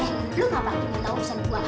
eh lu nggak apa apa ingin tahu urusan gue